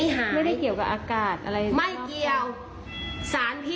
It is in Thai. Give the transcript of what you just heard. คุณผู้ชมค่ะแล้วเดี๋ยวมาเล่ารายละเอียดเพิ่มให้ฟังค่ะ